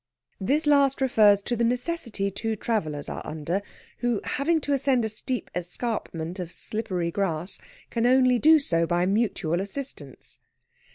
This last refers to the necessity two travellers are under, who, having to ascend a steep escarpment of slippery grass, can only do so by mutual assistance.